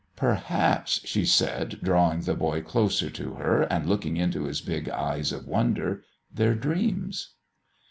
"Perhaps," she said, drawing the boy closer to her and looking into his big eyes of wonder, "they're dreams!"